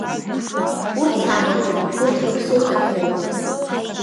Урҭ сабаԥуп, урҭ рыԥсоуп ирхоу.